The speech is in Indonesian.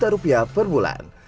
rp seratus per bulan